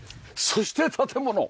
そして建物！